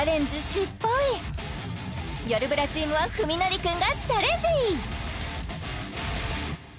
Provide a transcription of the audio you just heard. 失敗よるブラチームは史記くんがチャレンジ！